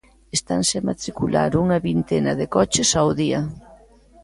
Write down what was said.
Estanse a matricular unha vintena de coches ao día.